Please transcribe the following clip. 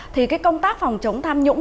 thì cái công tác phòng chống tham nhũng